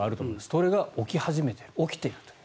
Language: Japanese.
それが起き始めている起きていると。